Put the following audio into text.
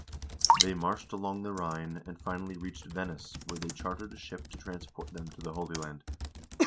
They marched along the Rhine, and finally reached Venice, where they chartered a •ship to transport them to the Holy Land.